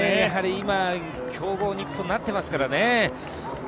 今、強豪・日本になってますからね。